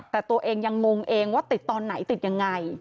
แต่ตัวเองยังงงเองว่าติดตอนไหนติดยังไง